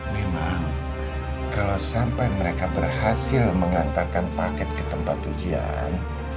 memang kalau sampai mereka berhasil mengantarkan paket ke tempat ujian